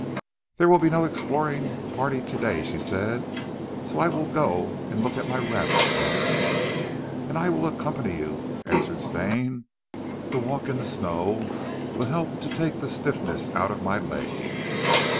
"There will be no exploring party today," she said, "so I will go and look at my rabbit snares." "And I will accompany you," answered Stane, "the walk in the snow will help to take the stiffness out of my leg."